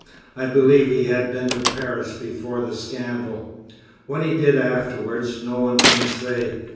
I believe he had been to Paris before the scandal. What he did afterwards no one can say.